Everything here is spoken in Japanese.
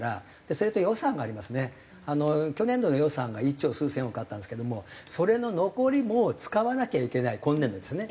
去年度の予算が１兆数千億あったんですけどもそれの残りも使わなきゃいけない今年度ですね。